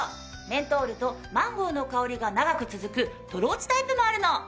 メントールとマンゴーの香りが長く続くトローチタイプもあるの。